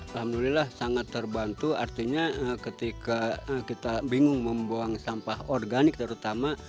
alhamdulillah sangat terbantu artinya ketika kita bingung membuang sampah organik terutama